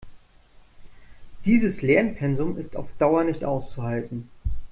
Dieses Lernpensum ist auf Dauer nicht auszuhalten.